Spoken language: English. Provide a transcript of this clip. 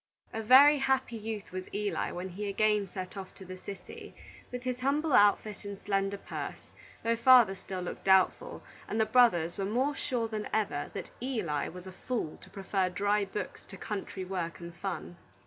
A very happy youth was Eli when he again set off to the city, with his humble outfit and slender purse, though father still looked doubtful, and the brothers were more sure than ever that Eli was a fool to prefer dry books to country work and fun.